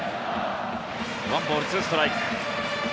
１ボール２ストライク。